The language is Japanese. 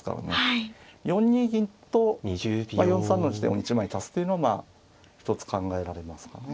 ４二銀と４三の地点を１枚足すというのは一つ考えられますかね。